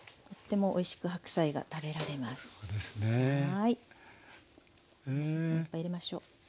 いっぱい入れましょう。